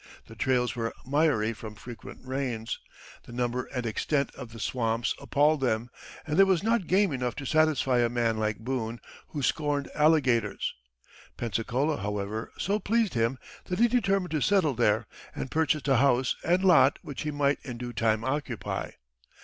The trails were miry from frequent rains, the number and extent of the swamps appalled them, and there was not game enough to satisfy a man like Boone, who scorned alligators. Pensacola, however, so pleased him that he determined to settle there, and purchased a house and lot which he might in due time occupy.